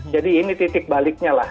jadi ini titik baliknya lah